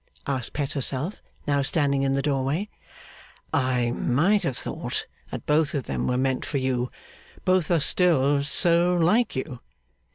asked Pet herself, now standing in the doorway. 'I might have thought that both of them were meant for you, both are still so like you.